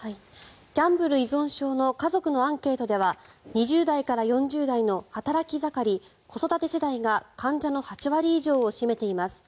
ギャンブル依存症の家族のアンケートでは２０代から４０代の働き盛り、子育て世代が患者の８割以上を占めています。